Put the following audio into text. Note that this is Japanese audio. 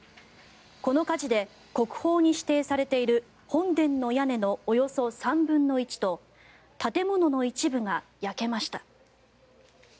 この火事で国宝に指定されている本殿の屋根のおよそ３分の１と建物の一部が焼けました。